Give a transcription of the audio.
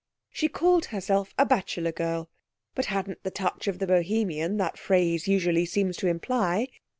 She called herself a bachelor girl, but hadn't the touch of the Bohemian that phrase usually seems to imply.